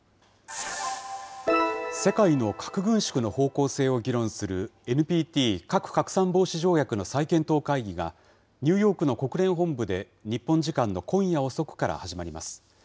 世界の核軍縮の方向性を議論するＮＰＴ・核拡散防止条約の再検討会議が、ニューヨークの国連本部で、日本時間の今夜遅くから始まります。